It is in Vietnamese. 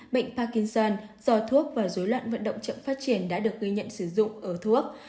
bệnh pakingson do thuốc và dối loạn vận động chậm phát triển đã được ghi nhận sử dụng ở thuốc